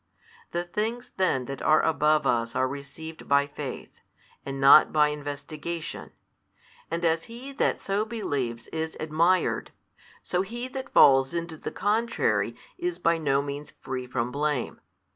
The things then that are above |325 us are received by faith, and not by investigation, and as he that so believes is admired, so he that falls into the contrary is by no means free from blame.